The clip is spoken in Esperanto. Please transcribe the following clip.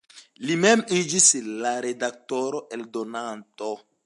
Li mem iĝis la redaktoro-eldonanto.